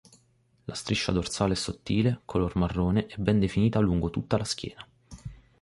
La striscia dorsale è sottile, color marrone, e ben definita lungo tutta la schiena.